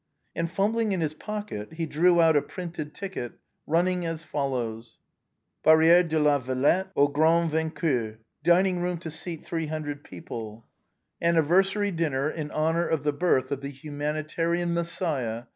And fumbling in his pocket, he drew out a printed ticket, running as follows: Barrière de La Villette, AU GRAND VAINQUEUR, Dining room to seat 300 people. IN HONOB OF THE BIRTH OF THE HUMANITARIAN MESSIAH.